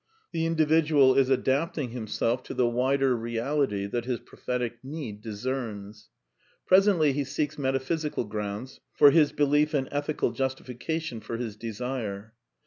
The individual is adapting himself to the wider reality that his prophetic need discerns. Presently he seeks metaphysical grounds for his belief and ethical justification for his desire.